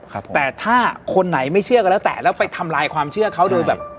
ครับแต่ถ้าคนไหนไม่เชื่อก็แล้วแต่แล้วไปทำลายความเชื่อเขาโดยแบบ